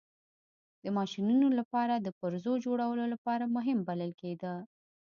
د ماشینونو لپاره د پرزو جوړولو لپاره مهم بلل کېده.